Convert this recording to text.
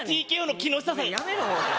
ＴＫＯの木下さんややめろ！